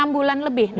enam bulan lebih